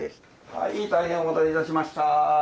はい大変お待たせいたしました。